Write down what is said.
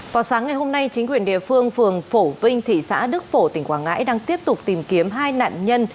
vào sáng ngày hôm nay chính quyền địa phương phường phổ vinh thị xã đức phổ tỉnh quảng ngãi đang tiếp tục tìm kiếm hai nạn nhân